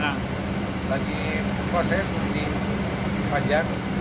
lagi proses ini panjang